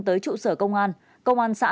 tới trụ sở công an công an xã